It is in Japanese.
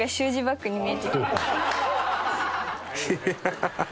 ハハハハ！